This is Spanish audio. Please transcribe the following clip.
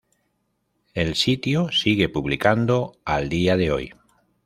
El sitio sigue publicando al día de hoy.